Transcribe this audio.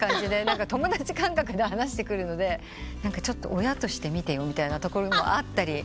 友達感覚で話してくるので「ちょっと親として見てよ」みたいなところもあったり。